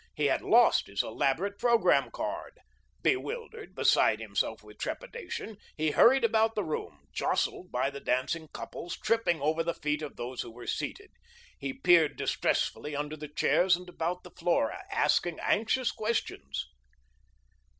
He had lost his elaborate programme card. Bewildered, beside himself with trepidation, he hurried about the room, jostled by the dancing couples, tripping over the feet of those who were seated; he peered distressfully under the chairs and about the floor, asking anxious questions.